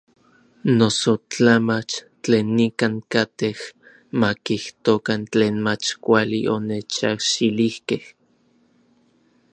Noso tla mach, tlen nikan katej ma kijtokan tlen mach kuali onechajxilijkej.